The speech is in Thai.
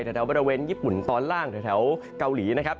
แถวบริเวณญี่ปุ่นตอนล่างแถวเกาหลีนะครับ